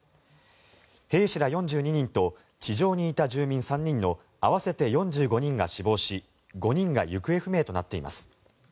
兵士ら４２人と地上にいた住民３人の合わせて４５人が死亡し５人が行方不明となっています。